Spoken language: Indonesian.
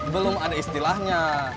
belum ada istilahnya